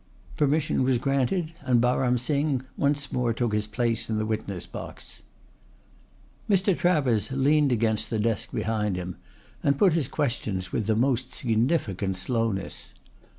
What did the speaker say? Permission was granted, and Baram Singh once more took his place in the witness box. Mr. Travers leant against the desk behind him and put his questions with the most significant slowness.